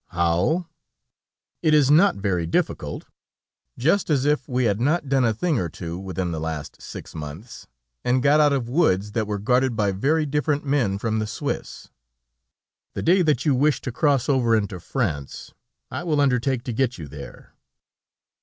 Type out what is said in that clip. "How? It is not very difficult! Just as if we had not done a thing or two within the last six months, and got out of woods that were guarded by very different men from the Swiss. The day that you wish to cross over into France, I will undertake to get you there."